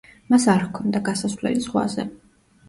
მას არ ჰქონდა გასასვლელი ზღვაზე.